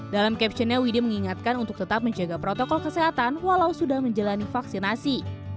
dalam captionnya widhi mengingatkan untuk tetap menjaga protokol kesehatan walau sudah menjalani vaksinasi